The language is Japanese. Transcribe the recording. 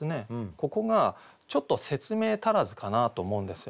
ここがちょっと説明足らずかなと思うんですよ。